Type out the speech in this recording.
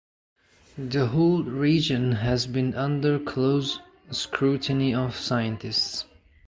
The whole region has been under close scrutiny of scientists.